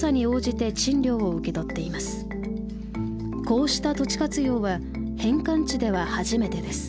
こうした土地活用は返還地では初めてです。